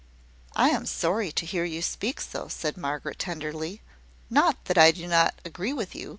"I am sorry to hear you speak so," said Margaret, tenderly. "Not that I do not agree with you.